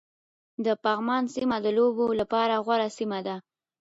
د پغمان سيمه د لوبو لپاره غوره سيمه ده